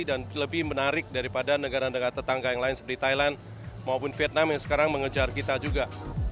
dan lebih menarik daripada negara negara tetangga yang lain seperti thailand maupun vietnam yang sekarang mengejar kita juga